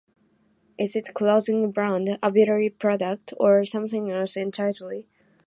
Is it a clothing brand, a beauty product, or something else entirely?